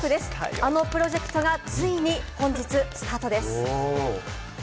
あのプロジェクトがついに本日スタートです。